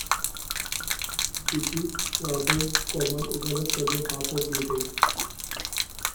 It is rather common over the southern half of Britain.